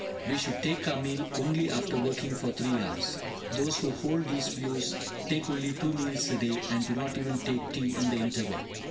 We should take our meal only after working for three hours. Those who hold these views take only two meals a day, and do not even take tea in the interval.